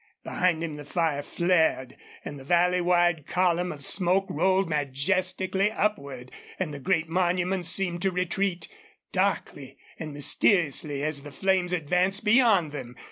Behind him the fire flared and the valley wide column of smoke rolled majestically upward, and the great monuments seemed to retreat darkly and mysteriously as the flames advanced beyond them.